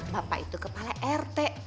bapak itu kepala rt